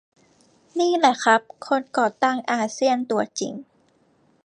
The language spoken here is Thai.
นี่แหละครับคนก่อตั้งอาเซียตัวจริง